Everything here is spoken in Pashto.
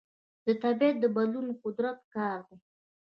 د طبیعت بدلون د قدرت کار دی.